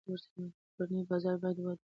کورني بازار باید وده ومومي.